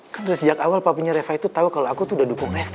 kan dari sejak awal papinya reva itu tau kalau aku tuh udah dukung reva